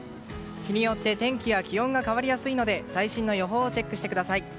日によって天気や気温が変わりやすいので最新の予報をチェックしてください。